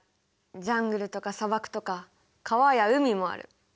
ジャングルとか砂漠とか川や海もある。